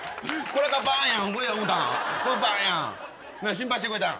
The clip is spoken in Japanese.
心配してくれたん？